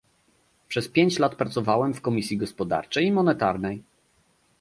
Przez pięć lat pracowałam w Komisji Gospodarczej i Monetarnej